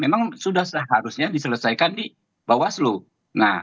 memang sudah seharusnya diselesaikan di bawah suhu